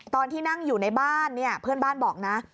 ตอนที่นั่งอยู่ในบ้านเนี่ยเพื่อนบ้านบอกนะ